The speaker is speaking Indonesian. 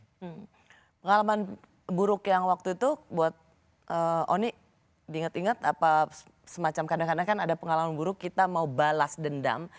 pengalaman buruk yang waktu itu buat oni diingat ingat semacam kadang kadang kan ada pengalaman buruk kita mau balas dendam